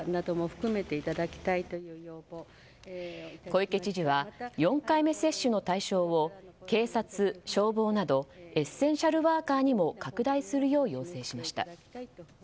小池知事は４回目接種の対象を警察、消防などエッセンシャルワーカーにも拡大するよう要請しました。